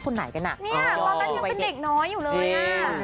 นี่เธอน่อยปะ